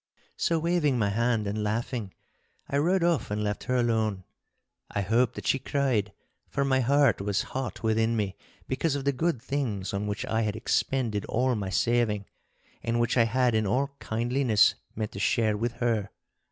So waving my hand and laughing, I rode off and left her alone. I hoped that she cried, for my heart was hot within me because of the good things on which I had expended all my saving, and which I had in all kindliness meant to share with her.